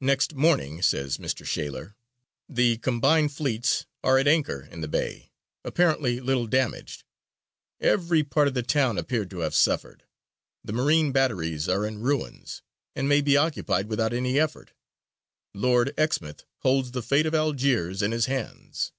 Next morning, says Mr. Shaler, "the combined fleets are at anchor in the bay, apparently little damaged; every part of the town appeared to have suffered. The Marine batteries are in ruins, and may be occupied without any effort. Lord Exmouth holds the fate of Algiers in his hands."